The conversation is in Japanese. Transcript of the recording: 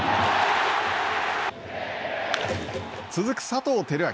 続く佐藤輝明。